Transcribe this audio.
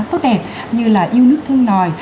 rất đẹp như là yêu nước thương nòi